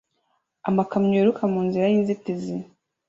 Amakamyo yiruka mu nzira y'inzitizi